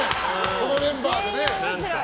このメンバーでね。